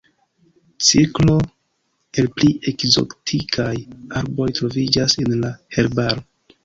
Cirklo el pli ekzotikaj arboj troviĝas en la herbaro.